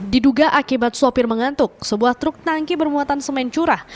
diduga akibat sopir mengantuk sebuah truk tangki bermuatan semen curah